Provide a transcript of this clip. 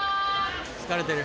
・疲れてる。